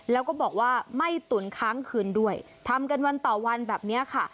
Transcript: แล้วก็บอกว่าไม่ตุ๋นค้างคืนด้วยทำกันวันต่อวันแบบนี้ค่ะ